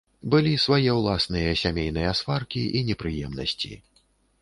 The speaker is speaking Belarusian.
Былі свае ўласныя сямейныя сваркі і непрыемнасці.